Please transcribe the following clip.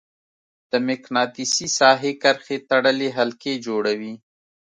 د مقناطیسي ساحې کرښې تړلې حلقې جوړوي.